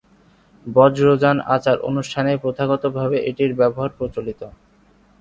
বজ্রযান আচার-অনুষ্ঠানে প্রথাগতভাবে এটির ব্যবহার প্রচলিত।